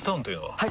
はい！